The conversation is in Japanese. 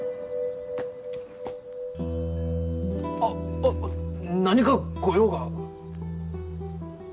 あッ何かご用が？